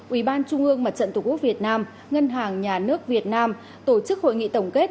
ủy ban trung ương mặt trận tổ quốc việt nam ngân hàng nhà nước việt nam tổ chức hội nghị tổng kết